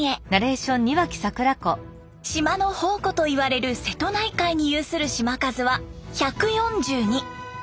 島の宝庫といわれる瀬戸内海に有する島数は１４２。